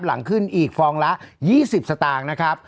หลังขึ้นอีกฟองละ๒๐สตางค์นะครับ